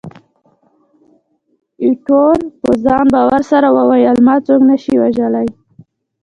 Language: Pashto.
ایټور په ځان باور سره وویل، ما څوک نه شي وژلای.